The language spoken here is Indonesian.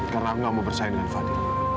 karena aku nggak mau bersaing dengan fadil